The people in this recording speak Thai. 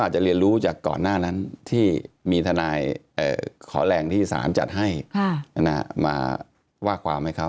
จะเรียนรู้จากก่อนหน้านั้นที่มีทนายขอแรงที่สารจัดให้มาว่าความให้เขา